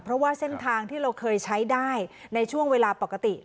เพราะว่าเส้นทางที่เราเคยใช้ได้ในช่วงเวลาปกติ